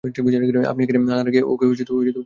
আপনি এখানে আনার আগে ওকে প্রস্তুত করবেন না।